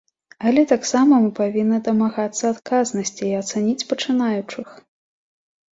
Але таксама мы павінны дамагацца адказнасці і ацаніць пачынаючых.